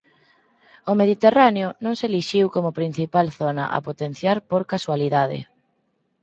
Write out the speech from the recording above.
O Mediterráneo non se elixiu como principal zona a potenciar por casualidade.